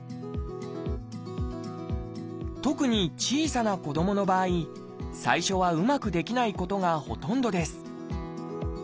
特に小さな子どもの場合最初はうまくできないことがほとんどです